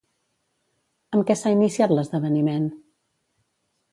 Amb què s'ha iniciat l'esdeveniment?